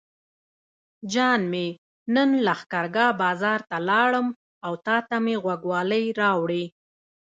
جان مې نن لښکرګاه بازار ته لاړم او تاته مې غوږوالۍ راوړې.